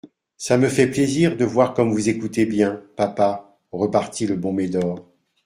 Ça me fait plaisir de voir comme vous écoutez bien, papa, repartit le bon Médor.